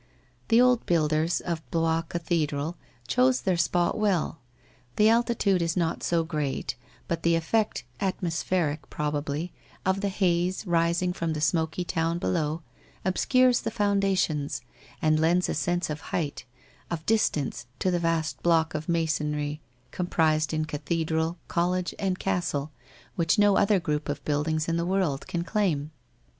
The old builders of Blois Cathedral chose their spot well. The altitude is not so great, but the effect, at mospheric, probably, of the haze rising from the smoky town below obscures the foundations and lends a sense of height, of distance to the vast block of masonry comprised in cathedral, college, and castle, which no other group of buildings in the world can claim.